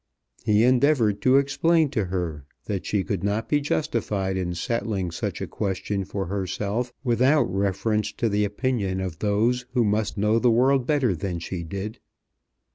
He endeavoured to explain to her that she could not be justified in settling such a question for herself without reference to the opinion of those who must know the world better than she did.